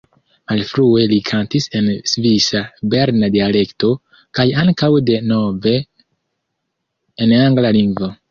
Malfrue li kantis en svisa berna dialekto, kaj ankaŭ de nove en angla lingvo.